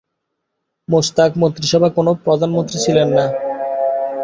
মোশতাক মন্ত্রিসভায় কোন প্রধানমন্ত্রী ছিলেন না।